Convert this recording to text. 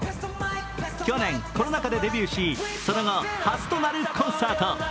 去年、コロナ禍でデビューし、その後初となるコンサート。